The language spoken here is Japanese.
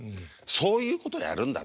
そういうことやるんだ。